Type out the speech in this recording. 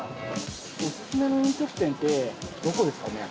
オススメの飲食店ってどこですかね？